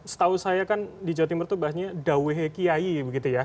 setahu saya kan di jawa timur itu bahasanya daweh kiai begitu ya